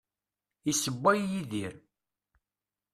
Issewway Yidir.